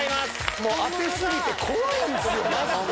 もう当てすぎて怖いんすよ。